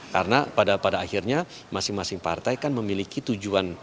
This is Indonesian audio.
karena pada akhirnya masing masing partai kan memiliki tujuan